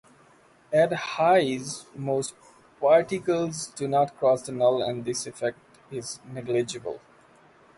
At high-s, most particles do not cross the null and this effect is negligible.